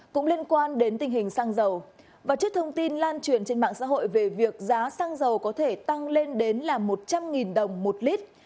cũng liên quan đến tình hình xăng dầu và trước thông tin lan truyền trên mạng xã hội về việc giá xăng dầu có thể tăng lên đến là một trăm linh đồng một lít